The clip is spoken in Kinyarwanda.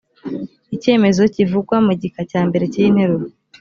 icyemezo kivugwa mu gika cya mbere cy’iyi nteruro